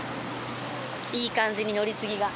いい感じに乗り継ぎが。